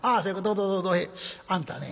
どうぞどうぞ。あんたね